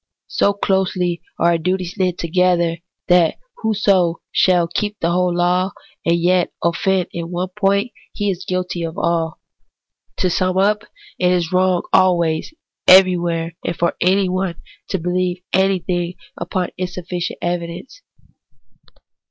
So closely are our duties knit together, that whoso shall keep the whole law, and yet offend in one point, he is guilty of all. To sum up : it is wrong always, everywhere, and for anyone, to believe anything upon insufficient evi dence.